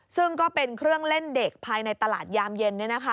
ซึ่งก็เป็นเครื่องเล่นเด็กภายในตลาดยามเย็น